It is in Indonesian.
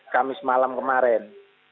kamis malam kemarin